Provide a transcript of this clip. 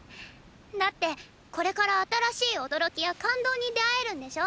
だってこれから新しい驚きや感動に出会えるんでしょ？